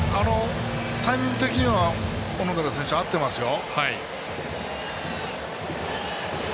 タイミング的には小野寺選手、合ってますよ。